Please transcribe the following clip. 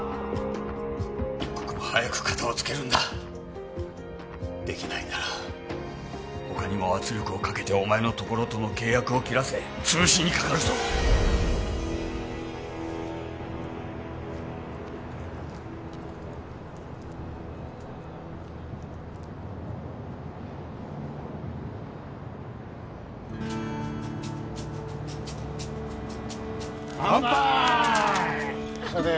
一刻も早くカタをつけるんだできないなら他にも圧力をかけてお前の所との契約を切らせ潰しにかかるぞかんぱーい！